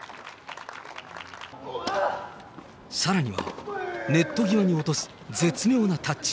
さらには、ネット際に落とす絶妙なタッチ。